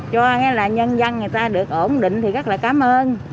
cho cái là nhân dân người ta được ổn định thì rất là cám ơn